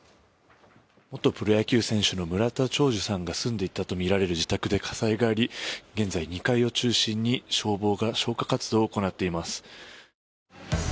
元プロ野球選手の村田兆治さんが住んでいたとみられる住宅で火災があり、現在２階を中心に消防が消火活動を行っています。